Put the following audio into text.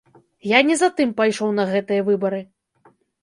Я не за тым пайшоў на гэтыя выбары.